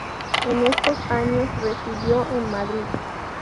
En estos años residió en Madrid.